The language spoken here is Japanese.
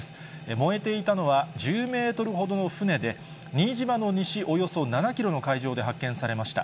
燃えていたのは、１０メートルほどの船で、新島の西およそ７キロの海上で発見されました。